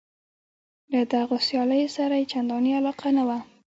له دغو سیالیو سره یې چندانې علاقه نه وه.